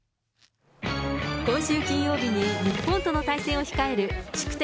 今週金曜日に日本との対戦を控える宿敵